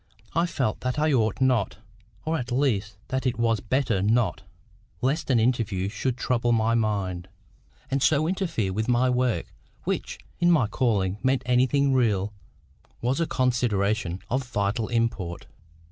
I felt that I ought not, or at least that it was better not, lest an interview should trouble my mind, and so interfere with my work, which, if my calling meant anything real, was a consideration of vital import.